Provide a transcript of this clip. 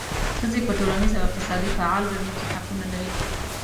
ښځې په ټولنیز او اقتصادي فعال ګډون کې حقونه لري.